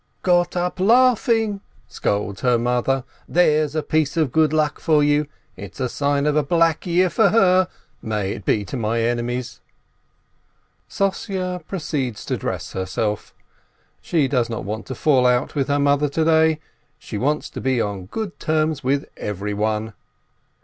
"Got up laughing!" scolds her mother. "There's a piece of good luck for you ! It's a sign of a black year for her (may it be to my enemies!)." Sossye proceeds to dress herself. She does not want to fall out with her mother to day, she wants to be on good terms with everyone.